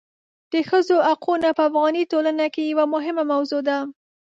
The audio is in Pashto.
د ښځو حقونه په افغاني ټولنه کې یوه مهمه موضوع ده.